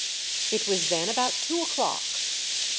It was then about two o'clock.